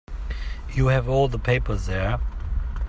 You have all the papers there.